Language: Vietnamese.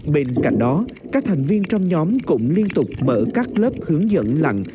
bên cạnh đó các thành viên trong nhóm cũng liên tục mở các lớp hướng dẫn lặng